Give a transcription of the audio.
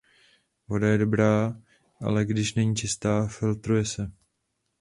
Voda je dobrá, ale když není čistá, filtruje se.